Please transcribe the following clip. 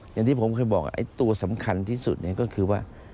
อย่างที่ผมเคยบอกไอ้ตัวสำคัญที่สุดก็คือว่า